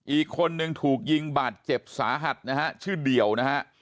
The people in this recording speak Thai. อีกคนนึงถูกยิงบาดเจ็บสาหัสนะฮะชื่อเดี่ยวนะฮะ